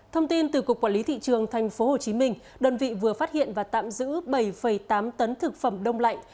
thông tin từ cục quản lý thị trường tp hcm đơn vị vừa phát hiện và tạm giữ bảy tám tấn thực phẩm đông lạnh